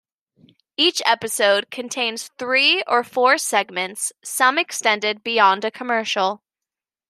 Each episode contains three or four segments, some extended beyond a commercial.